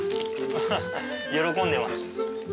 喜んでます。